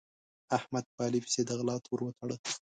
احمد په علي پسې د غلا تور وتاړه.